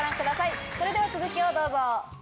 それでは続きをどうぞ。